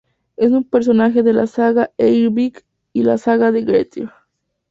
Es un personaje de la "saga Eyrbyggja", y la "saga de Grettir".